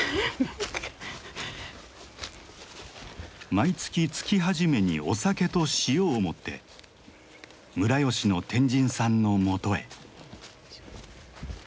毎月月初めにお酒と塩を持って村吉の天神さんのもとへ。